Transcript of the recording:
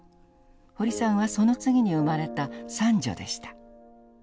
堀さんはその次に生まれた三女でした。